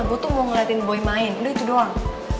gue tuh mau ngeliatin boy main udah itu doang